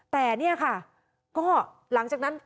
แต่เนี่ยค่ะก็หลังจากนั้น